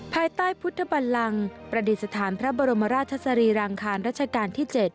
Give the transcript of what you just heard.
ภายใต้พุทธบันลังประดิษฐานพระบรมราชสรีรางคารราชการที่๗